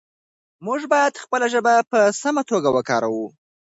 موږ باید خپله ژبه په سمه توګه وکاروو